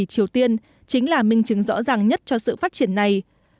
triều tiên chính là minh chứng rõ ràng nhất cho sự phát triển này